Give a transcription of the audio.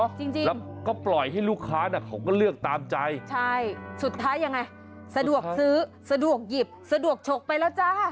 จริงแล้วก็ปล่อยให้ลูกค้าน่ะเขาก็เลือกตามใจใช่สุดท้ายยังไงสะดวกซื้อสะดวกหยิบสะดวกฉกไปแล้วจ้า